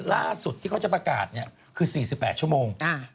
ล่าสุดที่เขาจะประกาศคือ๔๘ชั่วโมง